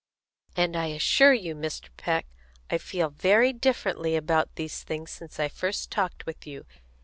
"And I assure you, Mr. Peck, I feel very differently about these things since I first talked with you.